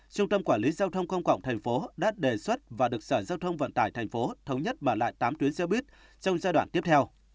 trung tâm quản lý giao thông công cộng thành phố đã đề xuất và được sở giao thông vận tải thành phố thống nhất bảo lại tám tuyến xe buýt trong giai đoạn tiếp theo